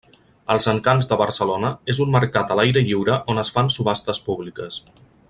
Els encants de Barcelona és un mercat a l'aire lliure on es fan subhastes públiques.